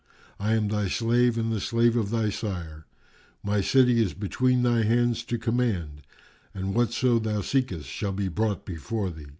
I am thy slave and the slave of thy sire: my city is between thy hands to command and whatso thou seekest shall be brought before thee."